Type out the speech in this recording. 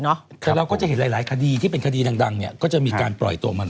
แต่เราก็จะเห็นหลายคดีที่เป็นคดีดังเนี่ยก็จะมีการปล่อยตัวมัน